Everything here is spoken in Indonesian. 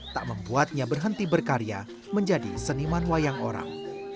tak membuatnya berhenti berkarya menjadi seniman wayang orang